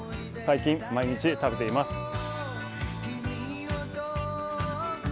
最近、毎日食べています。